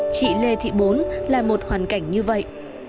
chị lê thị bốn là một hoàn cảnh như vậy